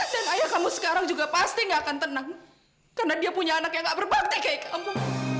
dan ayah kamu sekarang juga pasti nggak akan tenang karena dia punya anak yang nggak berbakti kayak kamu